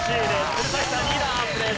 鶴崎さん２段アップです。